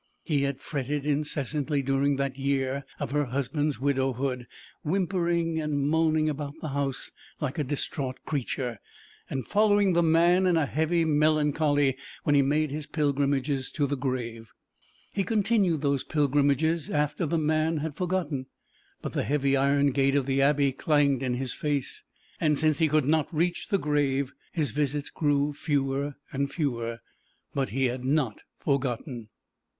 He had fretted incessantly during that year of her husband's widowhood, whimpering and moaning about the house like a distraught creature, and following the man in a heavy melancholy when he made his pilgrimages to the grave. He continued those pilgrimages after the man had forgotten, but the heavy iron gate of the Abbey clanged in his face, and since he could not reach the grave his visits grew fewer and fewer. But he had not forgotten.